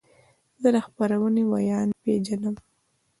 زه د خپرونې ویاند پیژنم.